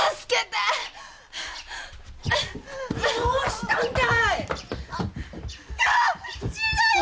どうしたんだい！